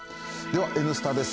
では、「Ｎスタ」です。